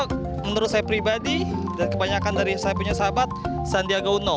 yang paling cocok menurut saya pribadi dan kebanyakan dari saya punya sahabat sandiaga uno